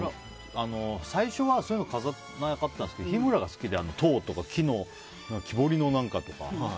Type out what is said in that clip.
最初はそういうの飾らなかったんですけど日村が好きで、塔とか木彫りの何かとか。